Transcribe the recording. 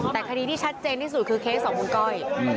แต่คดีที่ชัดเจนที่สุดคือเคสของคุณก้อย